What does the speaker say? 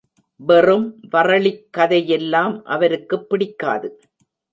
வெறும் வறளிக் கதையெல்லாம் அவருக்குப் பிடிக்காது.